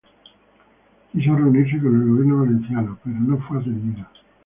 Quiso reunirse con el gobierno valenciano pero no fue atendido.